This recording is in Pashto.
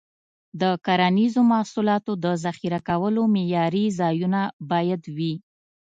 د کرنیزو محصولاتو د ذخیره کولو معیاري ځایونه باید وي.